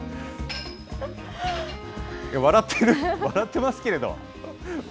笑ってる、笑ってますけれど。